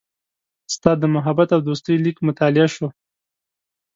ستا د محبت او دوستۍ لیک مطالعه شو.